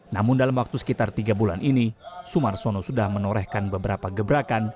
namun dalam waktu sekitar tiga bulan ini sumarsono sudah menorehkan beberapa gebrakan